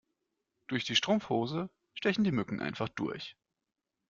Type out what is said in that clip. Durch die Strumpfhose stechen die Mücken einfach durch.